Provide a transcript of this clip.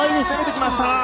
攻めてきました！